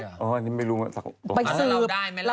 อย่างนี้ไม่รู้ะ